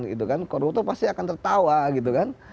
gitu kan koruptor pasti akan tertawa gitu kan